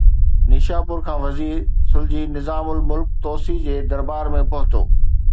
نيشاپور کان وزير سلجهي نظام الملڪ طوسي جي درٻار ۾ پهتو.